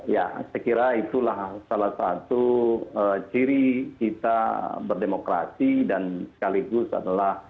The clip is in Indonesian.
ya saya kira itulah salah satu ciri kita berdemokrasi dan sekaligus adalah